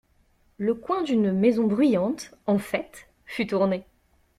Le coin d'une maison bruyante, en fête, fut tourné.